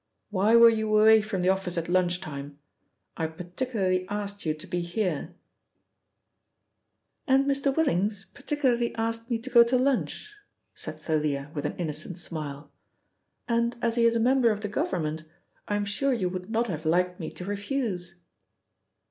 Why were you away from the office at lunch time? I particularly asked you to be here," "And Mr. Willings particularly asked me to go to lunch," said Thalia with an innocent smile, "and as he is a member of the Government, I am sure you would not have liked me to refuse."